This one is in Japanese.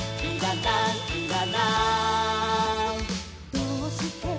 「どうして？